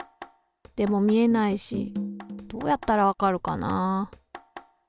でも見えないしどうやったらわかるかな？